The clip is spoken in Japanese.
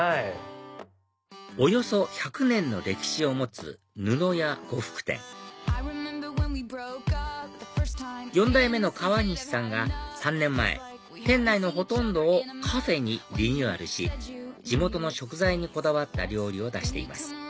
およそ１００年の歴史を持つぬのや呉服店４代目の河西さんが３年前店内のほとんどをカフェにリニューアルし地元の食材にこだわった料理を出しています